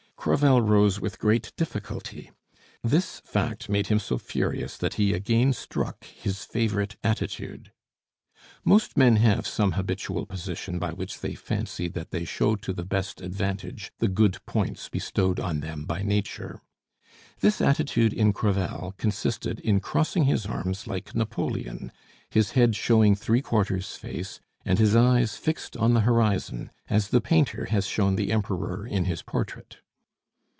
Crevel rose with great difficulty. This fact made him so furious that he again struck his favorite attitude. Most men have some habitual position by which they fancy that they show to the best advantage the good points bestowed on them by nature. This attitude in Crevel consisted in crossing his arms like Napoleon, his head showing three quarters face, and his eyes fixed on the horizon, as the painter has shown the Emperor in his portrait.